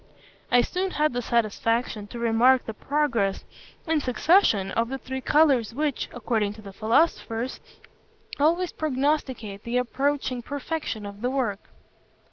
I soon had the satisfaction to remark the progress and succession of the three colours which, according to the philosophers, always prognosticate the approaching perfection of the work.